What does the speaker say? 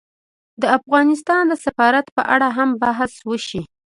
د افغانستان د سفارت په اړه هم بحث وشي